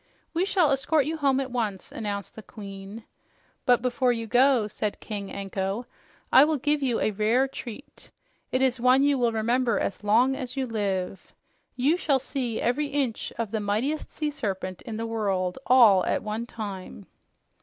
"We shall escort you home at once," announced the Queen. "But before you go," said King Anko, "I will give you a rare treat. It is one you will remember as long as you live. You shall see every inch of the mightiest sea serpent in the world, all at one time!"